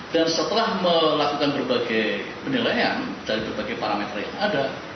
setelah melakukan berbagai penilaian dari berbagai parameter yang ada